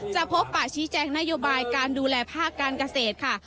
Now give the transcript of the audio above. พบปะชี้แจงนโยบายการดูแลภาคการเกษตรค่ะ